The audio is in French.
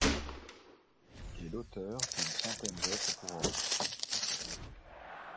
Il est l'auteur d'une centaine d'œuvres pour orgue.